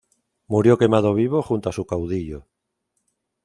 Murió quemado vivo junto a su caudillo.